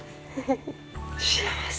幸せ。